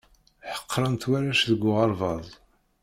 Ḥeqren-t warrac deg uɣerbaz.